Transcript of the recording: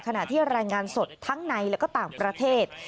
ขณะที่รายงานสดทั้งในและก็ต่างประเทศ